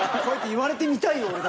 こうやって言われてみたいよ